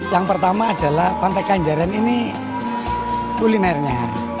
yang pertama adalah pantai kenjaran ini kulinernya